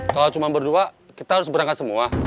kalau cuma berdua kita harus berangkat semua